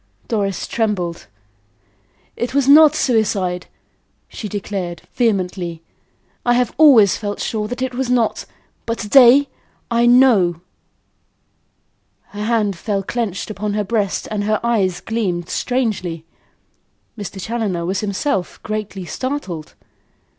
Doris trembled. "It was not suicide," she declared, vehemently. "I have always felt sure that it was not; but to day I KNOW." Her hand fell clenched on her breast and her eyes gleamed strangely. Mr. Challoner was himself greatly startled.